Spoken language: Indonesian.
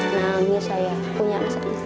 namanya saya punya masalah